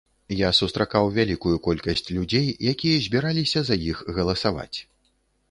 Я сустракаў вялікую колькасць людзей, якія збіраліся за іх галасаваць.